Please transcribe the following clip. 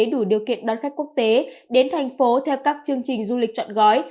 đủ điều kiện đón khách quốc tế đến thành phố theo các chương trình du lịch chọn gói